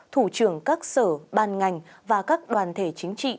thủ trưởng các sở ban ngành và các đoàn thể chính trị